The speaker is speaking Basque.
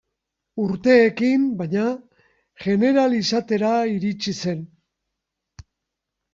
Urteekin, baina, jeneral izatera iritsi zen.